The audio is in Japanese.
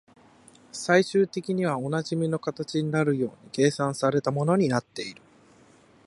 最終的にはおなじみの形になるように計算された物になっている